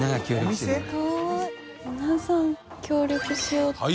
皆さん協力しようと。